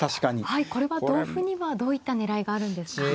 はいこれは同歩にはどういった狙いがあるんですか。